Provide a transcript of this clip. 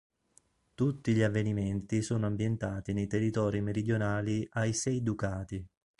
Tutti gli avvenimenti sono ambientati nei territori meridionali ai Sei Ducati.